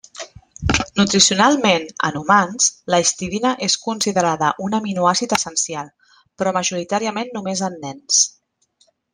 Nutricionalment, en humans, la histidina és considerada un aminoàcid essencial, però majoritàriament només en nens.